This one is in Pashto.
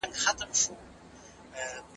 هغه کسان چې ناامیده شوي دي، دلته نشته.